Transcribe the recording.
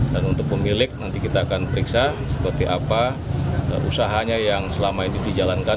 dan untuk pemilik nanti kita akan periksa seperti apa usahanya yang selama ini dijalankan